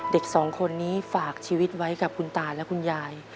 เด็กสองคนนี้ฝากชีวิตไว้กับคุณตาและคุณยาย